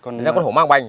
nên con hổ mang bành